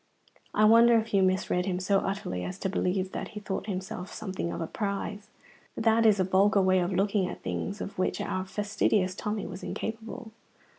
I wonder if you misread him so utterly as to believe that he thought himself something of a prize? That is a vulgar way of looking at things of which our fastidious Tommy was incapable.